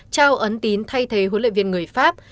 trao ấn tín thay thế huấn luyện viên người pháp